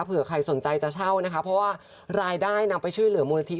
เผื่อใครสนใจจะเช่านะคะเพราะว่ารายได้นำไปช่วยเหลือมูลนิธิ